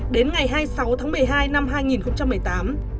đến ngày hai mươi sáu tháng một mươi hai năm hai nghìn một mươi tám